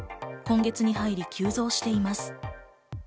今月に入り急増しています。